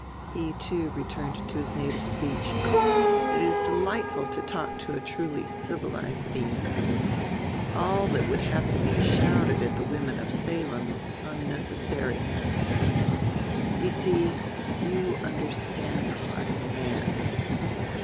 He, too, returned to his native speech. "It is delightful to talk to a truly civilized being. All that would have to be shouted at the women of Salem is unnecessary now. You see you understand the heart of a man."